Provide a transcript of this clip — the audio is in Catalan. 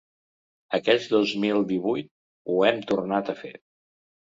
Aquest dos mil divuit ho hem tornat a fer.